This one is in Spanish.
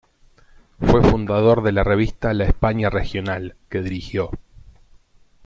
Fue fundador de la revista "La España Regional", que dirigió.